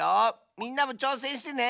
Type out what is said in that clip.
みんなもちょうせんしてね！